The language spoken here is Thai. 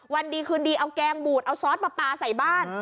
วันดีคืนดีเอาแกงบูดเอาซอสมาปลาใส่บ้าน